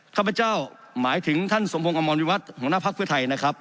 ข้าพเจ้าหมายถึงท่านสมพงศ์อมรวิวัตรหัวหน้าภักดิ์เพื่อไทยนะครับ